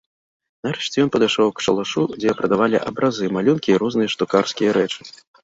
Нарэшце, ён падышоў к шалашу, дзе прадавалі абразы, малюнкі і розныя штукарскія рэчы.